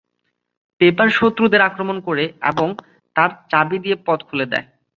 Paper শত্রুদের আক্রমণ করে এবং তার চাবি দিয়ে পথ খুলে দেয়।